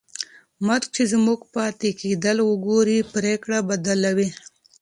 مرګ چې زموږ پاتې کېدل وګوري، پرېکړه بدلوي.